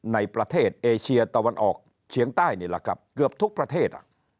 ในประเทศเอเชียตะวันออกเฉียงใต้เกือบทุกประเทศ